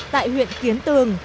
tại huyện kiến tường